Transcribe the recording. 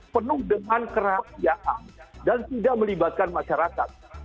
penuh dengan kerahasiaan dan tidak melibatkan masyarakat